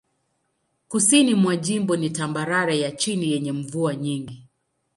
Kusini mwa jimbo ni tambarare ya chini yenye mvua nyingi.